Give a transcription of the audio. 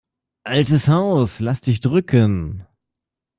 Altes Haus, lass dich drücken!